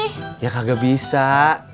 maksudnya whiskey koyak kehendak dari kota teaspoon